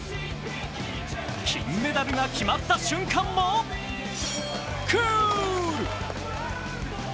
金メダルが決まった瞬間もクール！